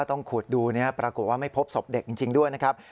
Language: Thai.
ขูดดูปรากฏว่าไม่พบศพเด็กจริงด้วยนะครับ